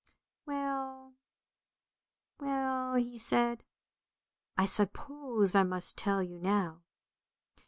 "" Well, well," he said, " I suppose I must tell you now.